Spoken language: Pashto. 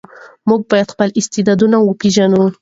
موږ باید خپل استعدادونه وپېژنو.